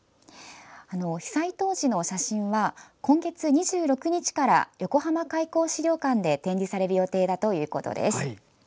被災当時の写真は今月２６日から横浜開港資料館で展示される予定だということです。